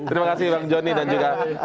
terima kasih bang jonny dan juga pak yusof